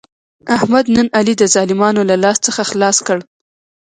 احمد نن علي د ظالمانو له لاس څخه خلاص کړ.